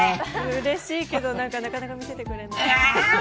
うれしいけどなかなか見せてくれない。